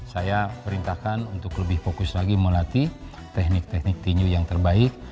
saya perintahkan untuk lebih fokus lagi melatih teknik teknik tinju yang terbaik